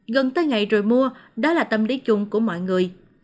gần tới ngày rồi mua đó là tâm lý chung của mọi người